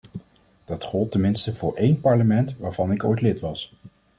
Dat gold tenminste voor een parlement waarvan ik ooit lid was.